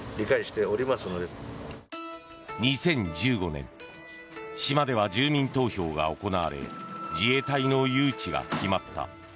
２０１５年島では住民投票が行われ自衛隊の誘致が決まった。